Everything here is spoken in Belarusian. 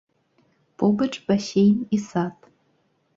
Побач басейн і сад.